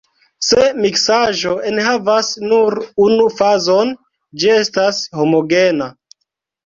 Se miksaĵo enhavas nur unu fazon, ĝi estas homogena.